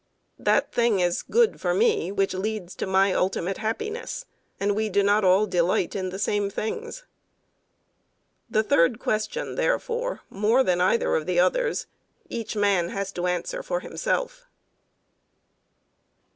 That thing is good for me which leads to my ultimate happiness; and we do not all delight in the same things. The third question, therefore, more than either of the others, each man has to answer for himself.